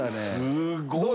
すごい！